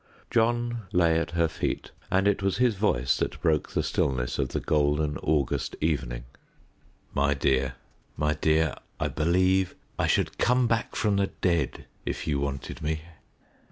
John lay at her feet, and it was his voice that broke the stillness of the golden August evening. "My dear, my dear, I believe I should come back from the dead if you wanted me!"